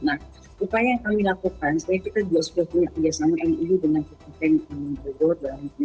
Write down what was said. nah upaya yang kami lakukan saya pikir kita sudah punya kerjasama yang ini dengan ketua pengen berdor